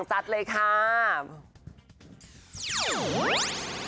เอ้ยจะเป็นรุ่นพี่